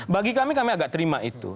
bagi kami kami agak terima itu